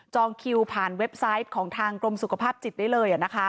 คิวผ่านเว็บไซต์ของทางกรมสุขภาพจิตได้เลย